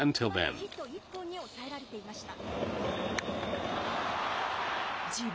ここまでヒット１本に抑えられていました。